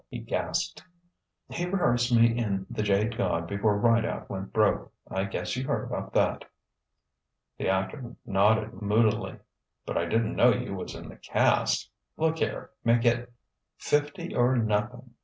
he gasped. "He rehearsed me in 'The Jade God' before Rideout went broke. I guess you heard about that." The actor nodded moodily. "But I didn't know you was in the cast.... Look here: make it " "Fifty or nothing."